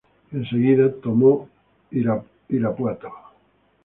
En seguida, tomó Irapuato.